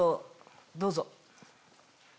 どうぞ。